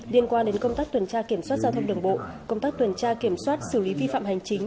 liên quan đến công tác tuần tra kiểm soát giao thông đường bộ công tác tuần tra kiểm soát xử lý vi phạm hành chính